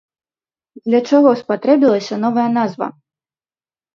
Для чаго спатрэбілася новая назва?